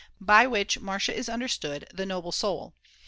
By which Marcia is understood the noble soul.